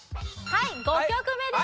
はい５曲目です